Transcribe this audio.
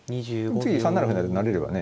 次３七歩成と成れればね